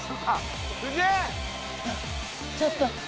ちょっと。